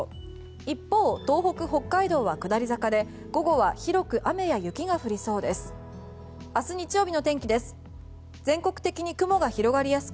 一方、東北、北海道は下り坂で午後は広く雨や雪が降りそうです。